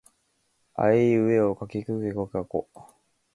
あえいうえおあおかけきくけこかこ